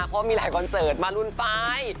เพราะมีหลายคอนเสิร์ตมารุนไฟล์